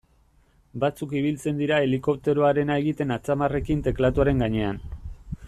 Batzuk ibiltzen dira helikopteroarena egiten atzamarrarekin teklatuaren gainean.